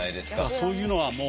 そういうのはもう。